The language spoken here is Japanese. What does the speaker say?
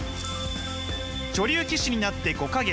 女流棋士になって５か月。